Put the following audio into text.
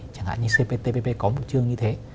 chẳng hạn như cptpp có một chương như thế